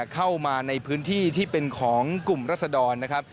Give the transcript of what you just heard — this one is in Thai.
เข้ามาในพื้นที่ที่เป็นของกลุ่มรัศดรนะครับ